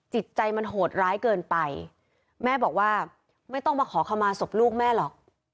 จิตใจมันโหดร้ายเกินไปแม่บอกว่าไม่ต้องมาขอขมาศพลูกแม่หรอก